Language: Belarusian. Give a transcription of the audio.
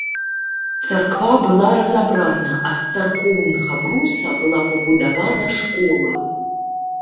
Царква была разабрана, а з царкоўнага бруса была пабудавана школа.